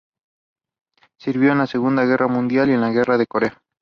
Sirvió en la Segunda Guerra Mundial y en la Guerra de Corea.